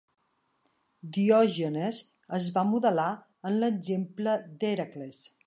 Diògenes es va modelar en l'exemple d'Hèracles.